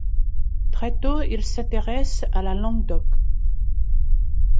Très tôt il s'intéresse à la langue d'oc.